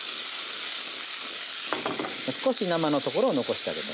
少し生のところを残してあげたい。